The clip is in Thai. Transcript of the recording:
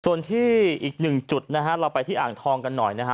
ส่วนที่อีกหนึ่งจุดนะฮะเราไปที่อ่างทองกันหน่อยนะฮะ